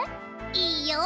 いいよ！